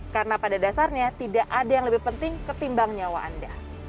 karena pada dasarnya tidak ada yang lebih penting ketimbang nyawa anda